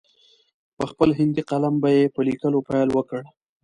په خپل هندي قلم به یې په لیکلو پیل وکړ.